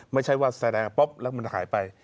ไม่ใช่ว่าแสดงปุ๊บแล้วมันหายไป